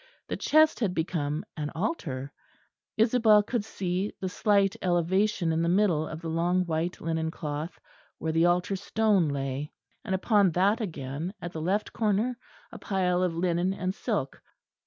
The chest had become an altar: Isabel could see the slight elevation in the middle of the long white linen cloth where the altar stone lay, and upon that again, at the left corner, a pile of linen and silk.